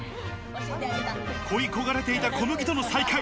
恋焦がれていた小麦との再会。